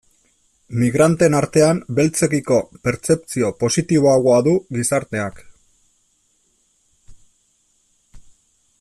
Migranteen artean, beltzekiko pertzepzio positiboagoa du gizarteak.